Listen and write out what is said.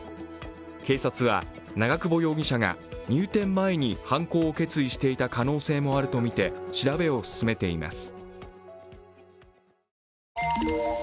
警察は、長久保容疑者が入店前に犯行を決意していた可能性もあるとみて調べを進めています。